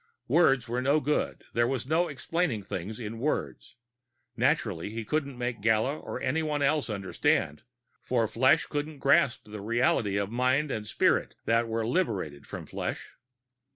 Words were no good; there was no explaining things in words. Naturally he couldn't make Gala or anyone else understand, for flesh couldn't grasp the realities of mind and spirit that were liberated from flesh.